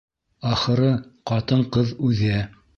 Ахыры, ҡатын-ҡыҙ үҙе.